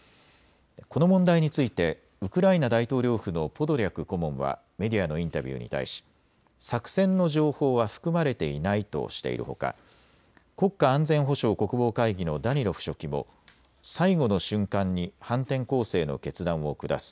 この問題についてウクライナ大統領府のポドリャク顧問はメディアのインタビューに対し作戦の情報は含まれていないとしているほか国家安全保障・国防会議のダニロフ書記も最後の瞬間に反転攻勢の決断を下す。